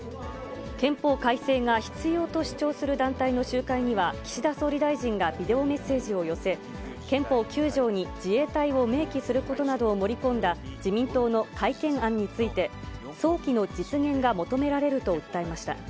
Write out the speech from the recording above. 憲法改正が必要と主張する団体の集会には、岸田総理大臣がビデオメッセージを寄せ、憲法９条に自衛隊を明記することなどを盛り込んだ、自民党の改憲案について、早期の実現が求められると訴えました。